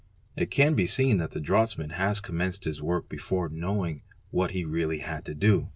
It can be seen that the draughtsman has commenced his work before ' knowing what he really had to do.